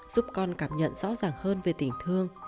giúp con cảm nhận rõ ràng hơn về tình thương